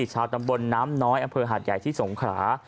ชาวตำบลน้ำน้อยอำเภอหาดใหญ่ที่สงขรา